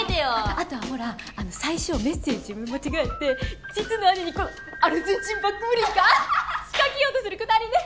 あとはほら最初メッセージ読み間違えて実の兄にアルゼンチン・バックブリーカー仕掛けようとするくだりね！